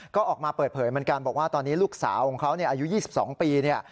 ก็ออกมาเปิดเผยเหมือนกันบอกว่าตอนนี้ลูกสาวของเขาอายุ๒๒ปีเนี่ย